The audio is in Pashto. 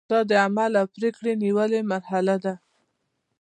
دا د عمل او پریکړې نیولو مرحله ده.